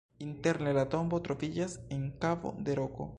Interne la tombo troviĝas en kavo de roko.